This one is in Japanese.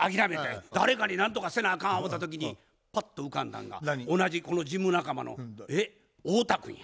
誰かに何とかせなあかん思うた時にパッと浮かんだんが同じこのジム仲間の太田君や。